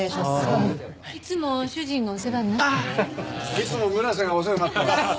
いつも村瀬がお世話になってます。